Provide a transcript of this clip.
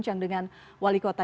jadi ini sudah kondisinya kritis